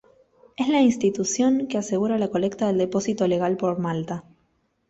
Es la institución que asegura la colecta del depósito legal por Malta.